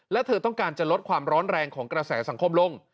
และเธอต้องการจะลดความร้อนแรงของกระแสสังคมลง